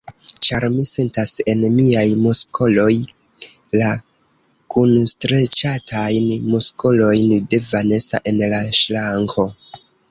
Ĉar mi sentas en miaj muskoloj la kunstreĉatajn muskolojn de Vanesa en la ŝranko.